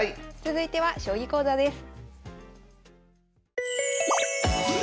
続いては将棋講座です。